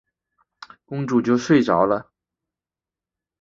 公主就睡着了。